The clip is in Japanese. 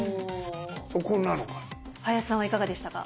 林さんはいかがでしたか？